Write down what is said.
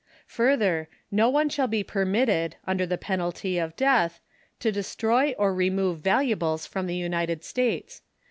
Further, no one shall be permitted, under the penalty of death, to destroy or remove valuables from the United States.